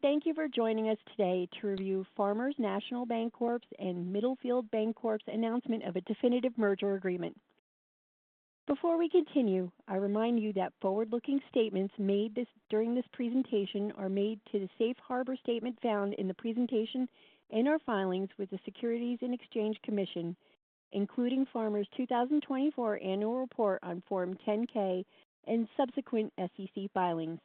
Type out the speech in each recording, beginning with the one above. Thank you for joining us today to review Farmers National Banc Corp.'s and Middlefield Banc Corp.'s announcement of a definitive merger agreement. Before we continue, I remind you that forward-looking statements made during this presentation are made to the safe harbor statement found in the presentation and our filings with the Securities and Exchange Commission, including Farmers' 2024 annual report on Form 10-K and subsequent SEC filings.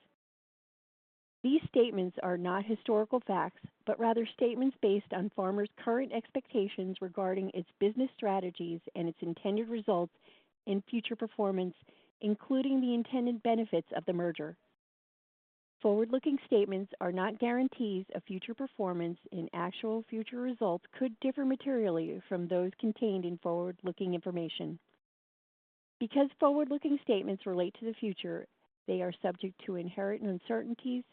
These statements are not historical facts but rather statements based on Farmers' current expectations regarding its business strategies and its intended results and future performance, including the intended benefits of the merger. Forward-looking statements are not guarantees of future performance, and actual future results could differ materially from those contained in forward-looking information. Because forward-looking statements relate to the future, they are subject to inherent uncertainties,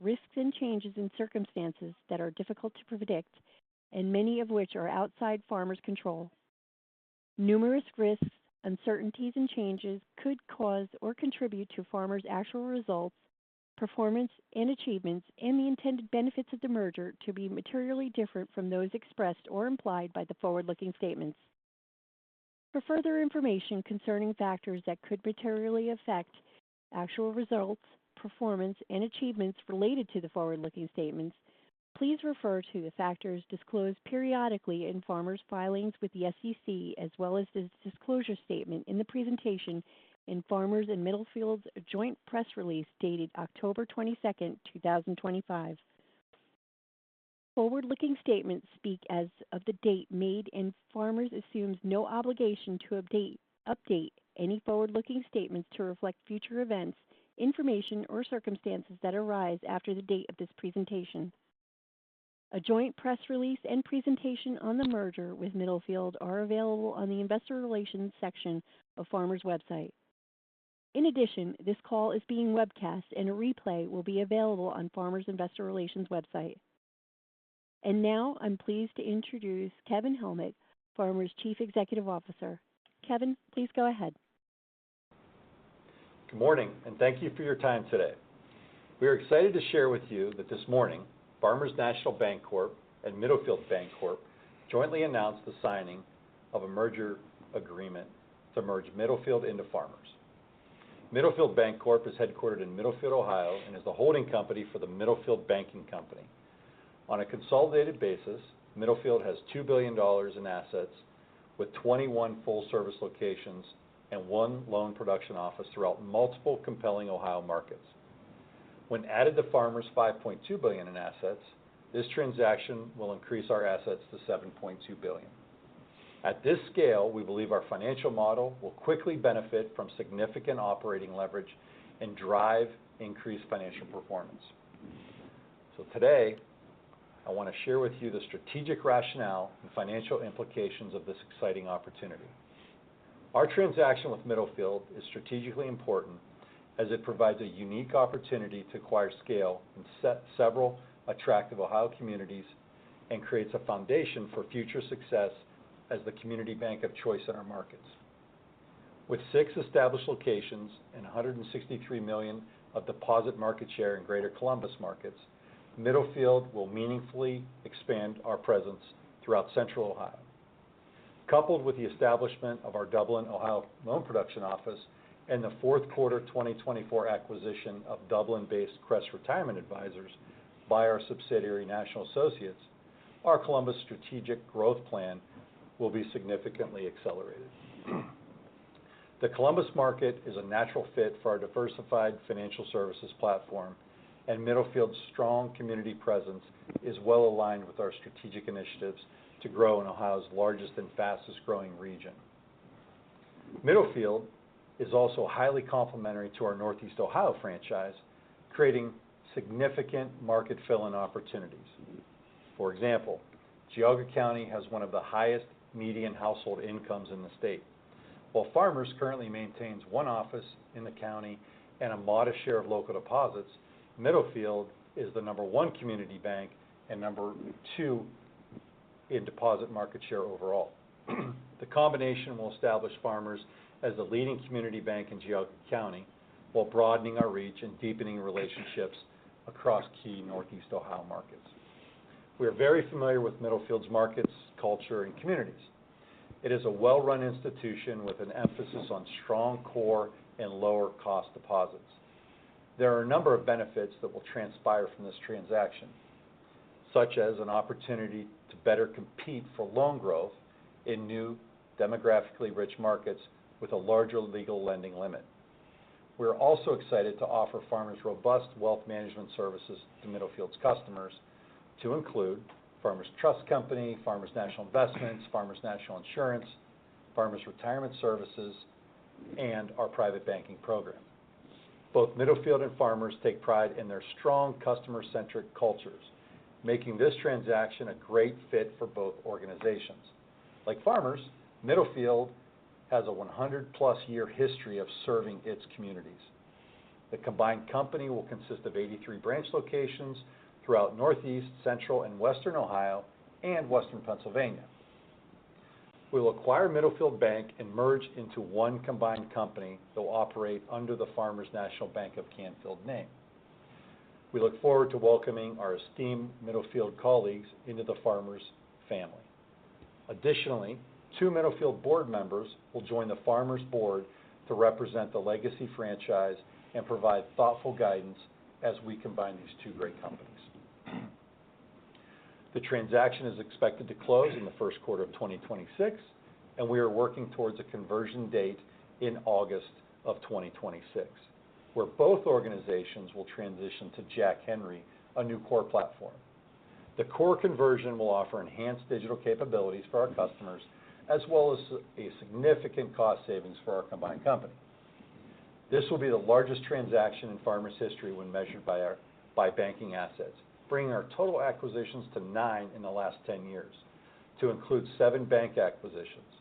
risks, and changes in circumstances that are difficult to predict, and many of which are outside Farmers' control. Numerous risks, uncertainties, and changes could cause or contribute to Farmers' actual results, performance, and achievements, and the intended benefits of the merger to be materially different from those expressed or implied by the forward-looking statements. For further information concerning factors that could materially affect actual results, performance, and achievements related to the forward-looking statements, please refer to the factors disclosed periodically in Farmers' filings with the SEC, as well as the disclosure statement in the presentation and Farmers and Middlefield's joint press release dated October 22nd, 2025. Forward-looking statements speak as of the date made and Farmers assumes no obligation to update any forward-looking statements to reflect future events, information, or circumstances that arise after the date of this presentation. A joint press release and presentation on the merger with Middlefield are available on the investor relations section of Farmers' website. In addition, this call is being webcast, and a replay will be available on Farmers' investor relations website, and now, I'm pleased to introduce Kevin Helmick, Farmers' Chief Executive Officer. Kevin, please go ahead. Good morning, and thank you for your time today. We are excited to share with you that this morning, Farmers National Banc Corp. and Middlefield Banc Corp. jointly announced the signing of a merger agreement to merge Middlefield into Farmers. Middlefield Banc Corp. is headquartered in Middlefield, Ohio, and is the holding company for the Middlefield Banking Company. On a consolidated basis, Middlefield has $2 billion in assets with 21 full-service locations and one loan production office throughout multiple compelling Ohio markets. When added to Farmers' $5.2 billion in assets, this transaction will increase our assets to $7.2 billion. At this scale, we believe our financial model will quickly benefit from significant operating leverage and drive increased financial performance, so today, I want to share with you the strategic rationale and financial implications of this exciting opportunity. Our transaction with Middlefield is strategically important as it provides a unique opportunity to acquire scale in several attractive Ohio communities and creates a foundation for future success as the community bank of choice in our markets. With six established locations and $163 million of deposit market share in greater Columbus markets, Middlefield will meaningfully expand our presence throughout central Ohio. Coupled with the establishment of our Dublin, Ohio, loan production office and the fourth quarter 2024 acquisition of Dublin-based Crest Retirement Advisors by our subsidiary National Associates, our Columbus strategic growth plan will be significantly accelerated. The Columbus market is a natural fit for our diversified financial services platform, and Middlefield's strong community presence is well aligned with our strategic initiatives to grow in Ohio's largest and fastest-growing region. Middlefield is also highly complementary to our Northeast Ohio franchise, creating significant market fill-in opportunities. For example, Geauga County has one of the highest median household incomes in the state. While Farmers currently maintains one office in the county and a modest share of local deposits, Middlefield is the number one community bank and number two in deposit market share overall. The combination will establish Farmers as the leading community bank in Geauga County while broadening our reach and deepening relationships across key Northeast Ohio markets. We are very familiar with Middlefield's markets, culture, and communities. It is a well-run institution with an emphasis on strong core and lower-cost deposits. There are a number of benefits that will transpire from this transaction, such as an opportunity to better compete for loan growth in new demographically rich markets with a larger legal lending limit. We are also excited to offer Farmers' robust wealth management services to Middlefield's customers, to include Farmers Trust Company, Farmers National Investments, Farmers National Insurance, Farmers Retirement Services, and our private banking program. Both Middlefield and Farmers take pride in their strong customer-centric cultures, making this transaction a great fit for both organizations. Like Farmers, Middlefield has a 100-plus year history of serving its communities. The combined company will consist of 83 branch locations throughout Northeast, Central, and Western Ohio, and Western Pennsylvania. We will acquire Middlefield Bank and merge into one combined company that will operate under the Farmers National Bank of Canfield name. We look forward to welcoming our esteemed Middlefield colleagues into the Farmers family. Additionally, two Middlefield board members will join the Farmers board to represent the legacy franchise and provide thoughtful guidance as we combine these two great companies. The transaction is expected to close in the first quarter of 2026, and we are working towards a conversion date in August of 2026, where both organizations will transition to Jack Henry, a new core platform. The core conversion will offer enhanced digital capabilities for our customers as well as a significant cost savings for our combined company. This will be the largest transaction in Farmers' history when measured by banking assets, bringing our total acquisitions to nine in the last 10 years, to include seven bank acquisitions.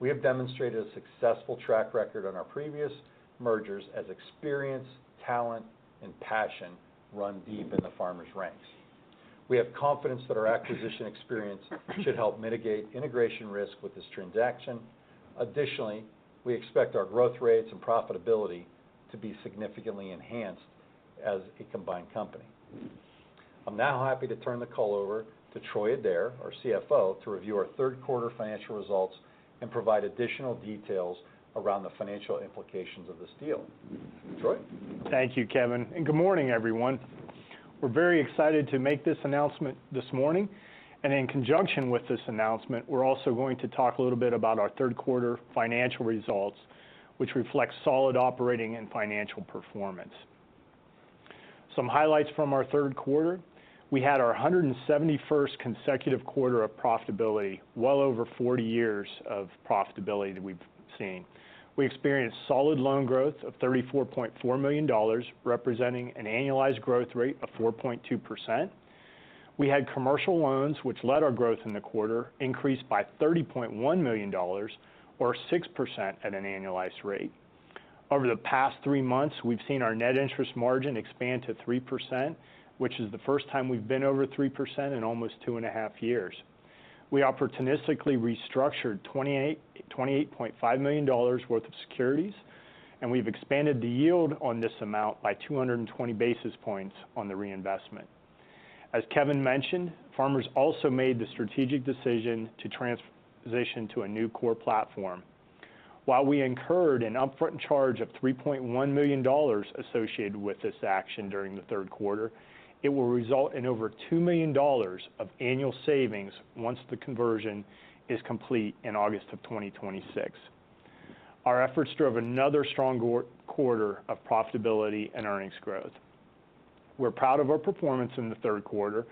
We have demonstrated a successful track record on our previous mergers as experience, talent, and passion run deep in the Farmers' ranks. We have confidence that our acquisition experience should help mitigate integration risk with this transaction. Additionally, we expect our growth rates and profitability to be significantly enhanced as a combined company. I'm now happy to turn the call over to Troy Adair, our CFO, to review our third quarter financial results and provide additional details around the financial implications of this deal. Troy? Thank you, Kevin. And good morning, everyone. We're very excited to make this announcement this morning. And in conjunction with this announcement, we're also going to talk a little bit about our third quarter financial results, which reflect solid operating and financial performance. Some highlights from our third quarter: we had our 171st consecutive quarter of profitability, well over 40 years of profitability that we've seen. We experienced solid loan growth of $34.4 million, representing an annualized growth rate of 4.2%. We had commercial loans, which led our growth in the quarter, increased by $30.1 million, or 6% at an annualized rate. Over the past three months, we've seen our net interest margin expand to 3%, which is the first time we've been over 3% in almost two and a half years. We opportunistically restructured $28.5 million worth of securities, and we've expanded the yield on this amount by 220 basis points on the reinvestment. As Kevin mentioned, Farmers also made the strategic decision to transition to a new core platform. While we incurred an upfront charge of $3.1 million associated with this action during the third quarter, it will result in over $2 million of annual savings once the conversion is complete in August of 2026. Our efforts drove another strong quarter of profitability and earnings growth. We're proud of our performance in the third quarter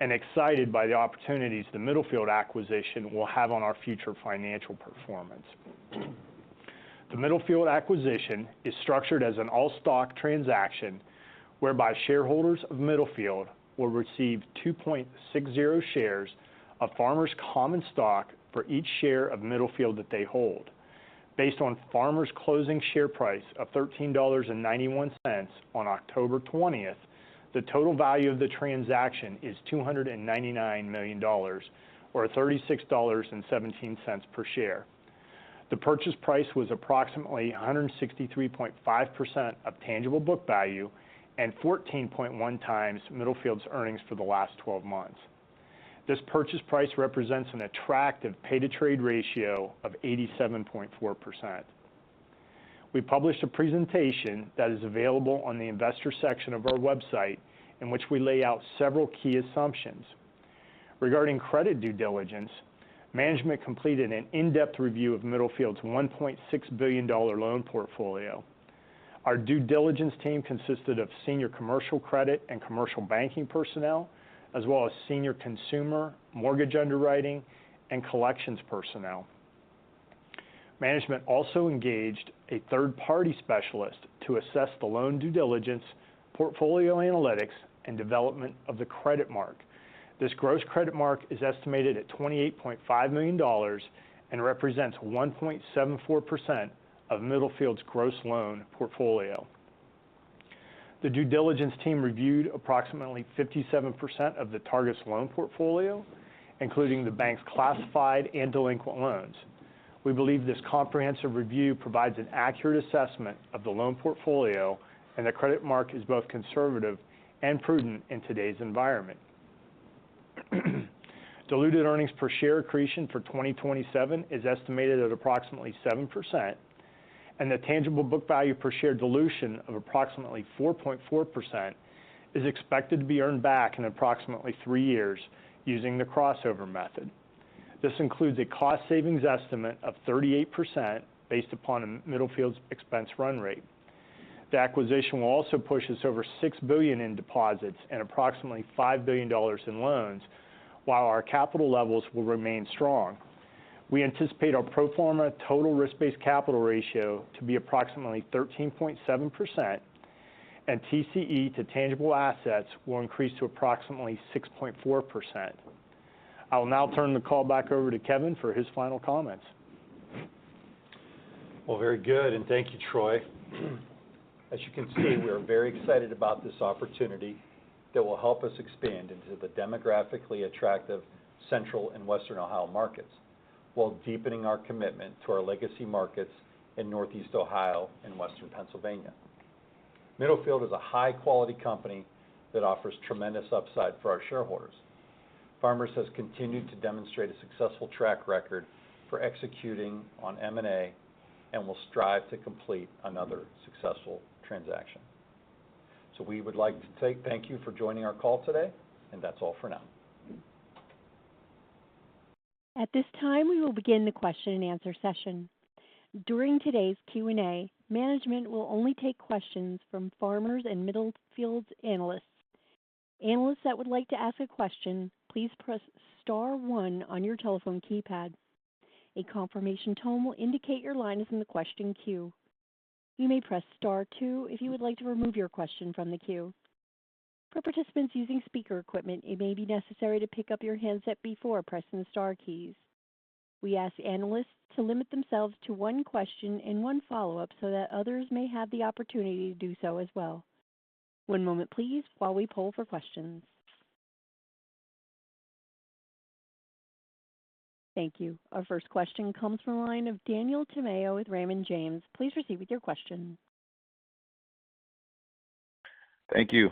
and excited by the opportunities the Middlefield acquisition will have on our future financial performance. The Middlefield acquisition is structured as an all-stock transaction whereby shareholders of Middlefield will receive 2.60 shares of Farmers' common stock for each share of Middlefield that they hold. Based on Farmers' closing share price of $13.91 on October 20th, the total value of the transaction is $299 million, or $36.17 per share. The purchase price was approximately 163.5% of tangible book value and 14.1 times Middlefield's earnings for the last 12 months. This purchase price represents an attractive pay-to-trade ratio of 87.4%. We published a presentation that is available on the investor section of our website, in which we lay out several key assumptions. Regarding credit due diligence, management completed an in-depth review of Middlefield's $1.6 billion loan portfolio. Our due diligence team consisted of senior commercial credit and commercial banking personnel, as well as senior consumer mortgage underwriting and collections personnel. Management also engaged a third-party specialist to assess the loan due diligence, portfolio analytics, and development of the credit mark. This gross credit mark is estimated at $28.5 million and represents 1.74% of Middlefield's gross loan portfolio. The due diligence team reviewed approximately 57% of the Target's loan portfolio, including the bank's classified and delinquent loans. We believe this comprehensive review provides an accurate assessment of the loan portfolio, and the credit mark is both conservative and prudent in today's environment. Diluted earnings per share accretion for 2027 is estimated at approximately 7%, and the tangible book value per share dilution of approximately 4.4% is expected to be earned back in approximately three years using the crossover method. This includes a cost savings estimate of 38% based upon Middlefield's expense run rate. The acquisition will also push us over $6 billion in deposits and approximately $5 billion in loans, while our capital levels will remain strong. We anticipate our pro forma total risk-based capital ratio to be approximately 13.7%, and TCE to tangible assets will increase to approximately 6.4%. I will now turn the call back over to Kevin for his final comments. Well, very good, and thank you, Troy. As you can see, we are very excited about this opportunity that will help us expand into the demographically attractive Central and Western Ohio markets while deepening our commitment to our legacy markets in Northeast Ohio and Western Pennsylvania. Middlefield is a high-quality company that offers tremendous upside for our shareholders. Farmers has continued to demonstrate a successful track record for executing on M&A and will strive to complete another successful transaction. So we would like to thank you for joining our call today, and that's all for now. At this time, we will begin the question-and-answer session. During today's Q&A, management will only take questions from Farmers and Middlefield's analysts. Analysts that would like to ask a question, please press Star 1 on your telephone keypad. A confirmation tone will indicate your line is in the question queue. You may press Star 2 if you would like to remove your question from the queue. For participants using speaker equipment, it may be necessary to pick up your handset before pressing the Star keys. We ask analysts to limit themselves to one question and one follow-up so that others may have the opportunity to do so as well. One moment, please, while we poll for questions. Thank you. Our first question comes from a line of Daniel Tamayo with Raymond James. Please proceed with your question. Thank you.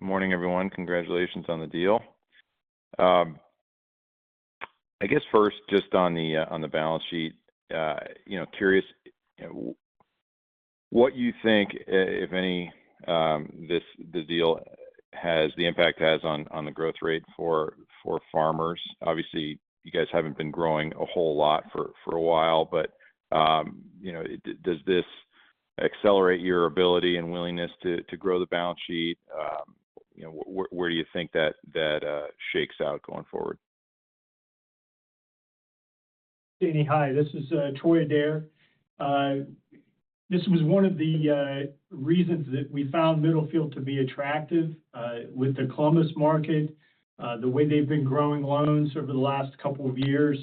Good morning, everyone. Congratulations on the deal. I guess first, just on the balance sheet, curious what you think, if any, the deal has the impact has on the growth rate for Farmers. Obviously, you guys haven't been growing a whole lot for a while, but does this accelerate your ability and willingness to grow the balance sheet? Where do you think that shakes out going forward? Danny, hi. This is Troy Adair. This was one of the reasons that we found Middlefield to be attractive with the Columbus market, the way they've been growing loans over the last couple of years.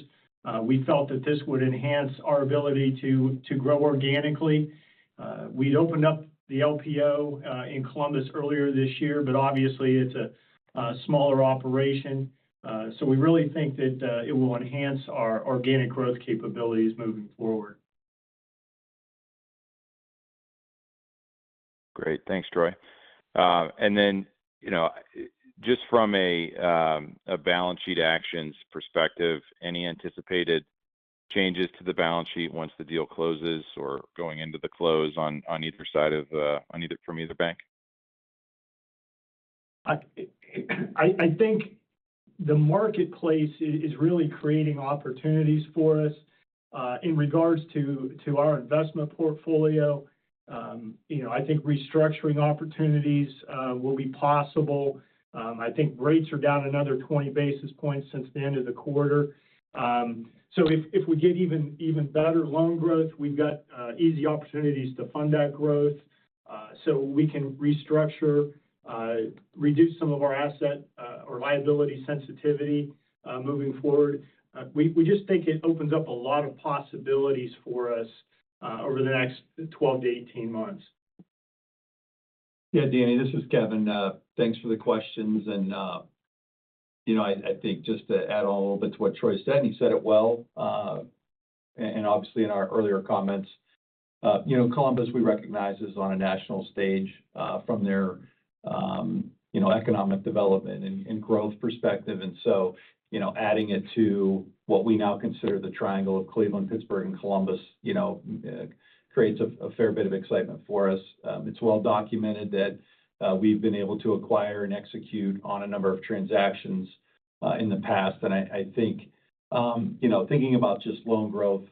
We felt that this would enhance our ability to grow organically. We'd opened up the LPO in Columbus earlier this year, but obviously, it's a smaller operation. So we really think that it will enhance our organic growth capabilities moving forward. Great. Thanks, Troy. And then just from a balance sheet actions perspective, any anticipated changes to the balance sheet once the deal closes or going into the close on either side from either bank? I think the marketplace is really creating opportunities for us in regards to our investment portfolio. I think restructuring opportunities will be possible. I think rates are down another 20 basis points since the end of the quarter. So if we get even better loan growth, we've got easy opportunities to fund that growth so we can restructure, reduce some of our asset or liability sensitivity moving forward. We just think it opens up a lot of possibilities for us over the next 12 to 18 months. Yeah, Danny, this is Kevin. Thanks for the questions. And I think just to add on a little bit to what Troy said, and he said it well, and obviously in our earlier comments, Columbus, we recognize, is on a national stage from their economic development and growth perspective. And so adding it to what we now consider the triangle of Cleveland, Pittsburgh, and Columbus creates a fair bit of excitement for us. It's well documented that we've been able to acquire and execute on a number of transactions in the past. And I think thinking about just loan growth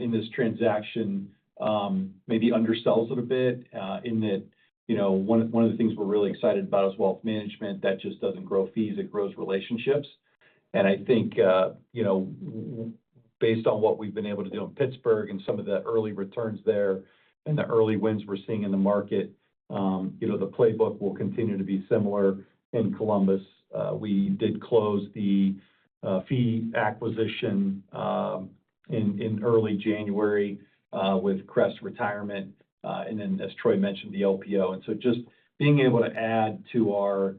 in this transaction maybe undersells it a bit in that one of the things we're really excited about is wealth management that just doesn't grow fees. It grows relationships. And I think based on what we've been able to do in Pittsburgh and some of the early returns there and the early wins we're seeing in the market, the playbook will continue to be similar in Columbus. We did close the fee acquisition in early January with Crest Retirement, and then, as Troy mentioned, the LPO. And so just being able to add to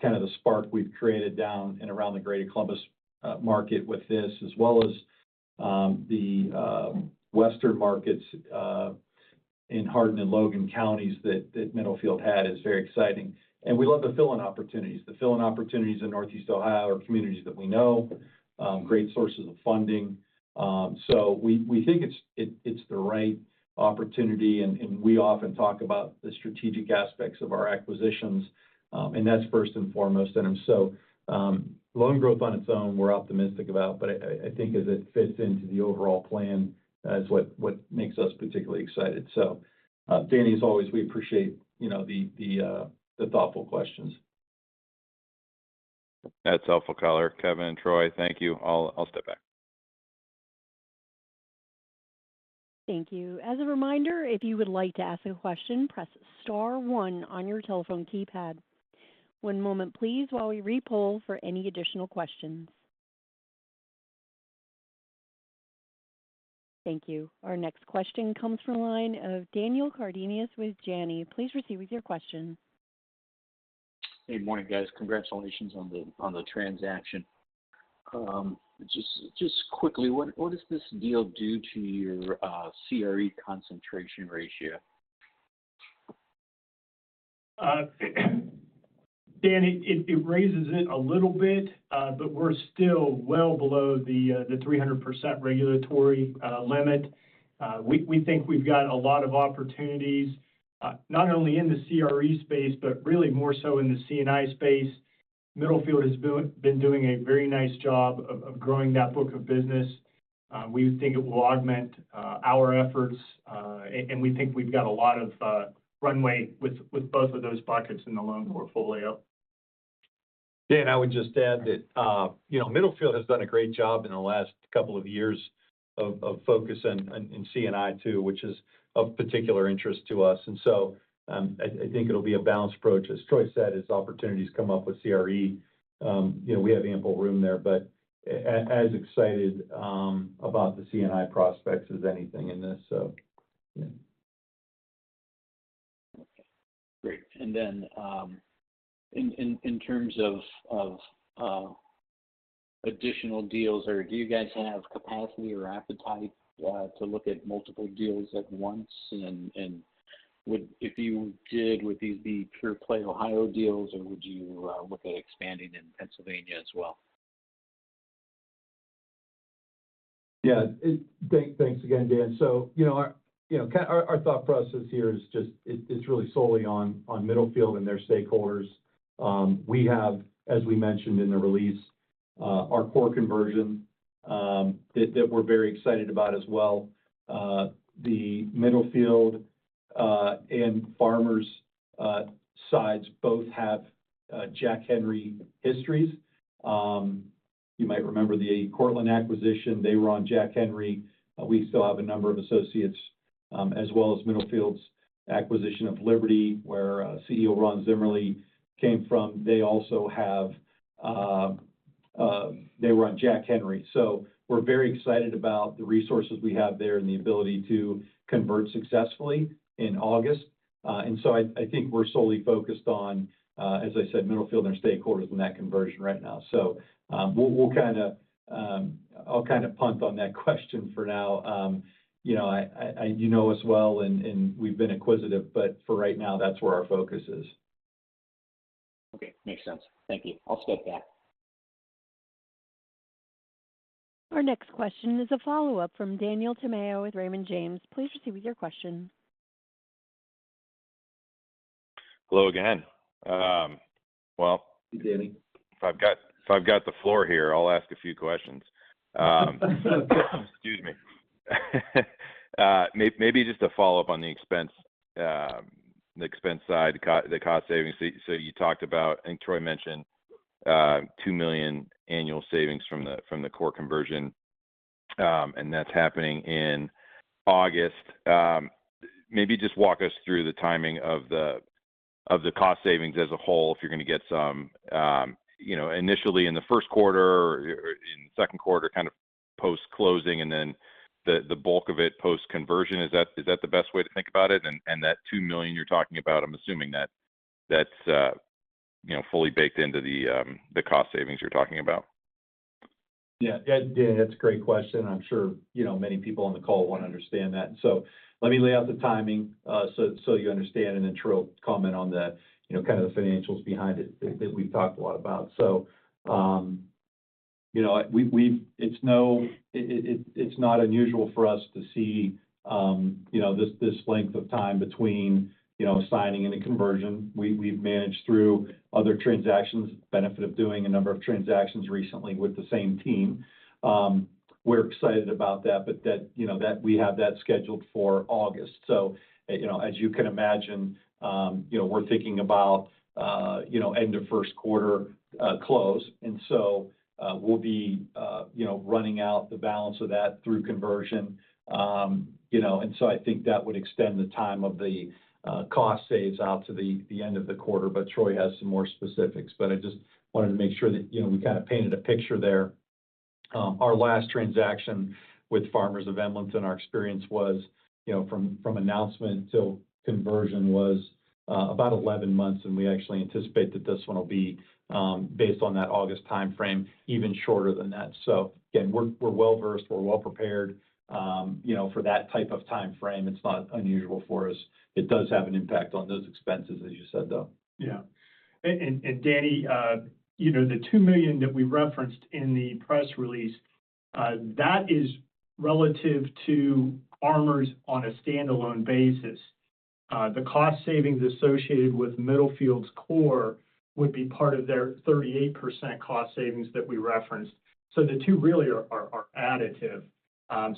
kind of the spark we've created down and around the greater Columbus market with this, as well as the western markets in Hardin and Logan counties that Middlefield had, is very exciting. And we love the fill-in opportunities. The fill-in opportunities in Northeast Ohio are communities that we know, great sources of funding. So we think it's the right opportunity, and we often talk about the strategic aspects of our acquisitions, and that's first and foremost. And so loan growth on its own, we're optimistic about, but I think as it fits into the overall plan is what makes us particularly excited. So Danny, as always, we appreciate the thoughtful questions. That's helpful, caller. Kevin, Troy, thank you. I'll step back. Thank you. As a reminder, if you would like to ask a question, press Star 1 on your telephone keypad. One moment, please, while we repoll for any additional questions. Thank you. Our next question comes from a line of Daniel Cardenas with Janney. Please proceed with your question. Hey, morning, guys. Congratulations on the transaction. Just quickly, what does this deal do to your CRE concentration ratio? Danny, it raises it a little bit, but we're still well below the 300% regulatory limit. We think we've got a lot of opportunities, not only in the CRE space, but really more so in the C&I space. Middlefield has been doing a very nice job of growing that book of business. We think it will augment our efforts, and we think we've got a lot of runway with both of those buckets in the loan portfolio. Danny, I would just add that Middlefield has done a great job in the last couple of years of focus and C&I too, which is of particular interest to us, and so I think it'll be a balanced approach. As Troy said, as opportunities come up with CRE, we have ample room there, but as excited about the C&I prospects as anything in this, so. Great, and then in terms of additional deals, do you guys have capacity or appetite to look at multiple deals at once, and if you did, would these be pure play Ohio deals, or would you look at expanding in Pennsylvania as well? Yeah. Thanks again, Dan. So our thought process here is really solely on Middlefield and their stakeholders. We have, as we mentioned in the release, our core conversion that we're very excited about as well. The Middlefield and Farmers' sides both have Jack Henry histories. You might remember the Cortland acquisition. They were on Jack Henry. We still have a number of associates, as well as Middlefield's acquisition of Liberty, where CEO Ron Zimmerly came from. They also have—they were on Jack Henry. So we're very excited about the resources we have there and the ability to convert successfully in August. And so I think we're solely focused on, as I said, Middlefield and their stakeholders in that conversion right now. So I'll kind of punt on that question for now. You know us well, and we've been acquisitive, but for right now, that's where our focus is. Okay. Makes sense. Thank you. I'll step back. Our next question is a follow-up from Daniel Tamayo with Raymond James. Please proceed with your question. Hello again. Hey, Danny. If I've got the floor here, I'll ask a few questions. Excuse me. Maybe just a follow-up on the expense side, the cost savings. So you talked about, I think Troy mentioned, $2 million annual savings from the core conversion, and that's happening in August. Maybe just walk us through the timing of the cost savings as a whole if you're going to get some initially in the first quarter, in the second quarter, kind of post-closing, and then the bulk of it post-conversion. Is that the best way to think about it? And that $2 million you're talking about, I'm assuming that's fully baked into the cost savings you're talking about. Yeah. Yeah, Danny, that's a great question. I'm sure many people on the call want to understand that. So let me lay out the timing so you understand, and then Troy will comment on kind of the financials behind it that we've talked a lot about. So it's not unusual for us to see this length of time between signing and the conversion. We've managed through other transactions, benefit of doing a number of transactions recently with the same team. We're excited about that, but that we have that scheduled for August. So as you can imagine, we're thinking about end of first quarter close. And so we'll be running out the balance of that through conversion. And so I think that would extend the time of the cost saves out to the end of the quarter, but Troy has some more specifics. But I just wanted to make sure that we kind of painted a picture there. Our last transaction with Farmers of Emlenton, in our experience, was from announcement till conversion was about 11 months, and we actually anticipate that this one will be, based on that August timeframe, even shorter than that. So again, we're well-versed, we're well-prepared for that type of timeframe. It's not unusual for us. It does have an impact on those expenses, as you said, though. Yeah. And Danny, the $2 million that we referenced in the press release, that is relative to Farmers on a standalone basis. The cost savings associated with Middlefield's core would be part of their 38% cost savings that we referenced. So the two really are additive.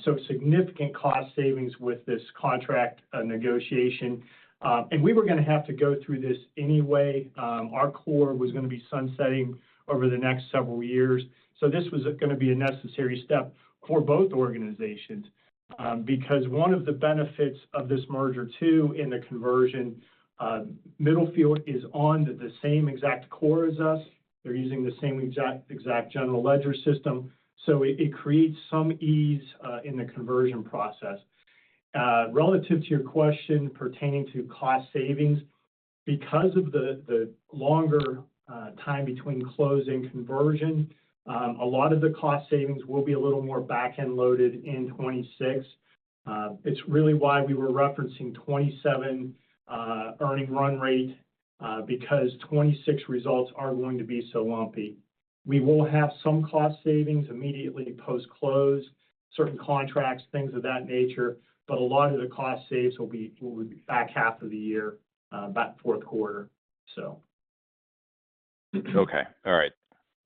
So significant cost savings with this contract negotiation. And we were going to have to go through this anyway. Our core was going to be sunsetting over the next several years. So this was going to be a necessary step for both organizations because one of the benefits of this merger too in the conversion, Middlefield is on the same exact core as us. They're using the same exact general ledger system. So it creates some ease in the conversion process. Relative to your question pertaining to cost savings, because of the longer time between close and conversion, a lot of the cost savings will be a little more back-end loaded in 2026. It's really why we were referencing 2027 earning run rate because 2026 results are going to be so lumpy. We will have some cost savings immediately post-close, certain contracts, things of that nature, but a lot of the cost saves will be back half of the year, back fourth quarter, so. Okay. All right.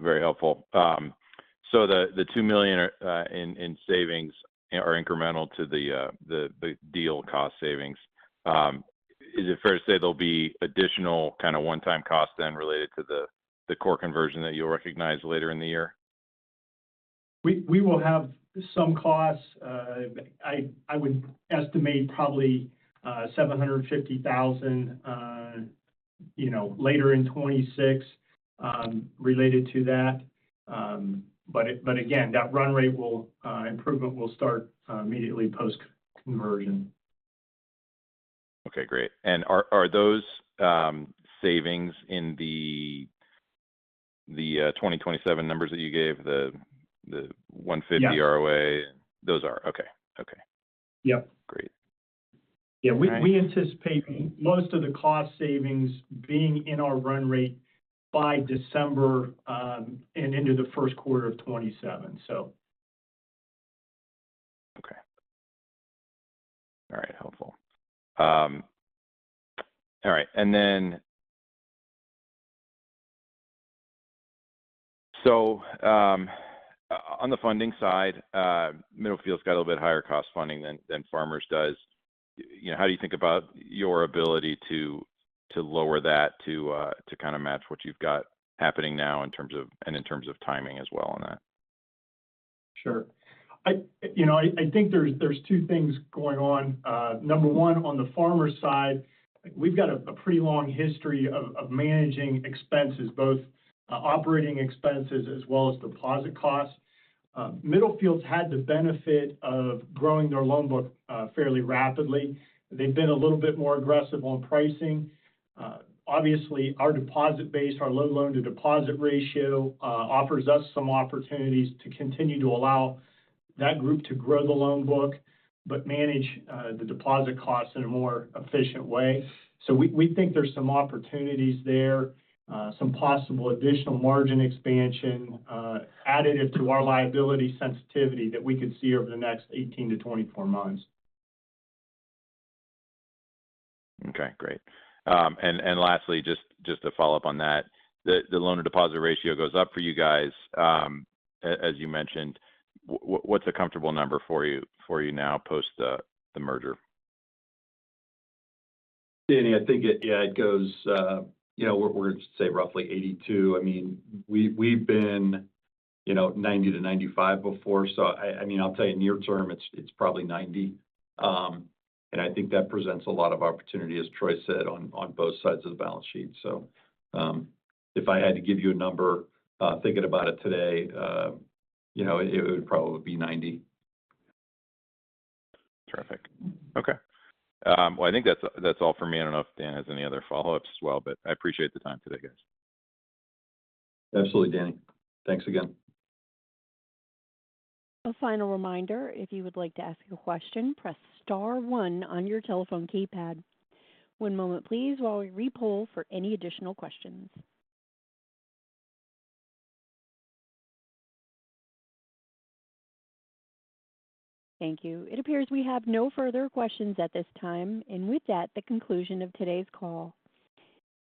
Very helpful. So the $2 million in savings are incremental to the deal cost savings. Is it fair to say there'll be additional kind of one-time cost then related to the core conversion that you'll recognize later in the year? We will have some costs. I would estimate probably $750,000 later in 2026 related to that. But again, that run rate improvement will start immediately post-conversion. Okay. Great. And are those savings in the 2027 numbers that you gave, the 150 ROA? Yeah. Those are. Okay. Okay. Yep. Great. Yeah. We anticipate most of the cost savings being in our run rate by December and into the first quarter of 2027, so. Okay. All right. Helpful. All right. And then so on the funding side, Middlefield's got a little bit higher cost funding than Farmers does. How do you think about your ability to lower that to kind of match what you've got happening now in terms of timing as well on that? Sure. I think there's two things going on. Number one, on the Farmers side, we've got a pretty long history of managing expenses, both operating expenses as well as deposit costs. Middlefield's had the benefit of growing their loan book fairly rapidly. They've been a little bit more aggressive on pricing. Obviously, our deposit base, our low loan-to-deposit ratio offers us some opportunities to continue to allow that group to grow the loan book, but manage the deposit costs in a more efficient way. So we think there's some opportunities there, some possible additional margin expansion additive to our liability sensitivity that we could see over the next 18 to 24 months. Okay. Great. And lastly, just to follow up on that, the loan-to-deposit ratio goes up for you guys, as you mentioned. What's a comfortable number for you now post the merger? Danny, I think yeah, it goes, we're going to say roughly 82%. I mean, we've been 90%-95% before, so I mean, I'll tell you, near term, it's probably 90%, and I think that presents a lot of opportunity, as Troy said, on both sides of the balance sheet, so if I had to give you a number, thinking about it today, it would probably be 90%. Terrific. Okay. Well, I think that's all for me. I don't know if Dan has any other follow-ups as well, but I appreciate the time today, guys. Absolutely, Danny. Thanks again. A final reminder, if you would like to ask a question, press Star one on your telephone keypad. One moment, please, while we repoll for any additional questions. Thank you. It appears we have no further questions at this time, and with that, the conclusion of today's call.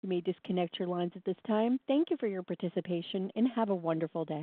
You may disconnect your lines at this time. Thank you for your participation, and have a wonderful day.